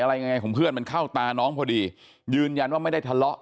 อะไรยังไงของเพื่อนมันเข้าตาน้องพอดียืนยันว่าไม่ได้ทะเลาะ